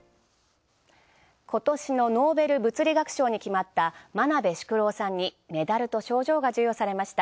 今年のノーベル物理学賞に決まった真鍋淑郎さんにメダルと賞状が授与されました。